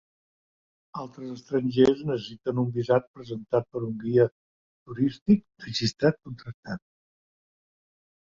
Altres estrangers necessiten un visat presentat per un guia turístic registrat contractat.